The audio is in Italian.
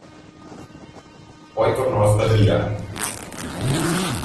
Poi tornò a sbadigliare.